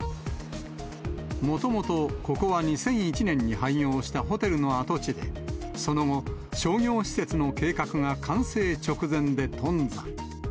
もともと、ここは２００１年に廃業したホテルの跡地で、その後、商業施設の計画が完成直前で頓挫。